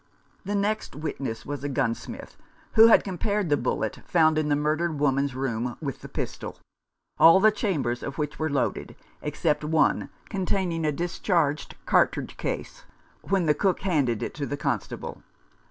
The next witness was a gunsmith, who had compared the bullet found in the murdered woman's room with the pistol, all the chambers of which were loaded, except one containing a discharged cartridge case, when the cook handed it to the constable.